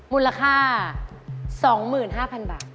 มูลค่า๒๕๐๐๐บาท